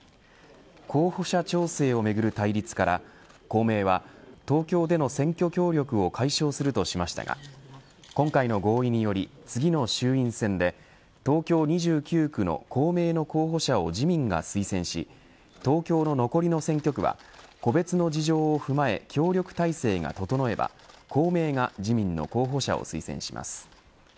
候補者調整をめぐる対立から公明は、東京での選挙協力を解消するとしましたが今回の合意により次の衆院選で東京２９区の公明の候補者を自民が推薦し東京の残りの選挙区は個別の事情を踏まえ協力体制が整えば公明が自民の候補者を推薦します。